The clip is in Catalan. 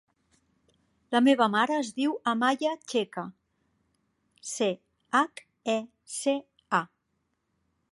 La meva mare es diu Amaya Checa: ce, hac, e, ce, a.